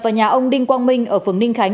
và nhà ông đinh quang minh ở phường ninh khánh